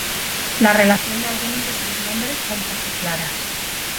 La relación de algunos de sus nombres son poco claras.